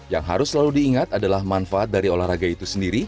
yang harus selalu diingat adalah manfaat dari olahraga itu sendiri